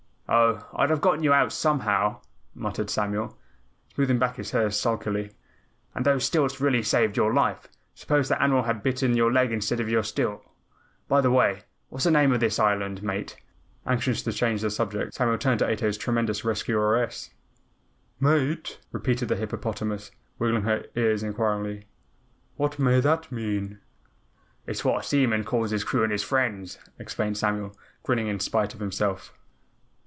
"Oh, I'd have got you out somehow," muttered Samuel, smoothing back his hair sulkily. "And those stilts really saved your life. Suppose that animal had bitten your leg instead of your stilt? By the way, what's the name of this island, Mate?" Anxious to change the subject, Samuel turned to Ato's tremendous rescueress. "Mate?" repeated the hippopotamus, wiggling her ears inquiringly, "What may that mean?" "It is what a seaman calls his crew and his friends," explained Samuel, grinning in spite of himself.